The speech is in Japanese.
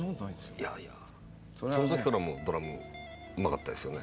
いやいやその時からドラムうまかったですよね。